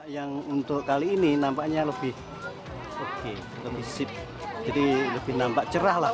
yang untuk kali ini nampaknya lebih oke lebih sip jadi lebih nampak cerah lah